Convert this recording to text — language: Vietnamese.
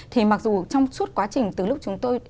thì mặc dù trong suốt quá trình từ lúc chúng tôi